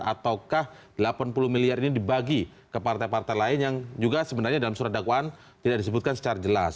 ataukah delapan puluh miliar ini dibagi ke partai partai lain yang juga sebenarnya dalam surat dakwaan tidak disebutkan secara jelas